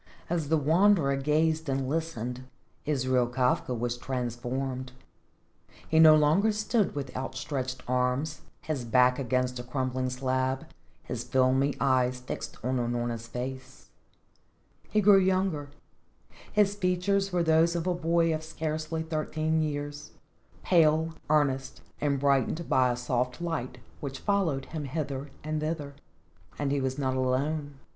As the Wanderer gazed and listened, Israel Kafka was transformed. He no longer stood with outstretched arms, his back against a crumbling slab, his filmy eyes fixed on Unorna's face. He grew younger; his features were those of a boy of scarcely thirteen years, pale, earnest and brightened by a soft light which followed him hither and thither, and he was not alone.